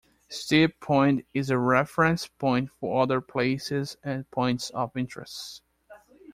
Steep Point is a reference point for other places and points of interests.